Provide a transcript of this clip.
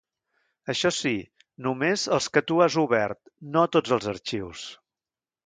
Això sí, només els que tu has obert, no tots els arxius.